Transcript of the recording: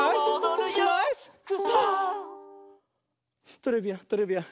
トレビアントレビアン。